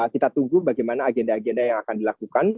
kita tunggu bagaimana agenda agenda yang akan dilakukan